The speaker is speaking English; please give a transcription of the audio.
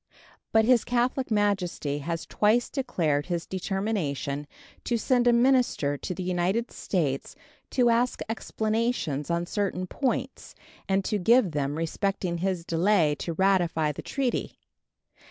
But His Catholic Majesty has twice declared his determination to send a minister to the United States to ask explanations on certain points and to give them respecting his delay to ratify the treaty.